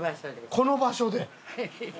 この場所です。